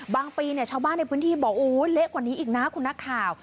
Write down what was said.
ปีเนี่ยชาวบ้านในพื้นที่บอกโอ้ยเละกว่านี้อีกนะคุณนักข่าว